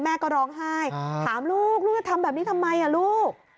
แม่ก็ร้องไห้ถามลูกลูกจะทำแบบนี้ทำไมลูก